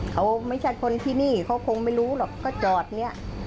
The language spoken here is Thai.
เขาไม่ใช่คนที่นี่เขาคงไม่รู้หรอกก็จอดเนี่ย